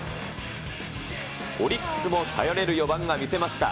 オリックスも頼れる４番が見せました。